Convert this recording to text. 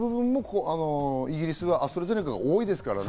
イギリスはアストラゼネカが多いですからね。